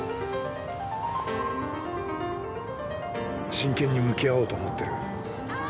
真剣に向き合おうと思ってる。